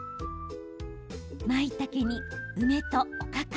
まいたけに梅とおかか。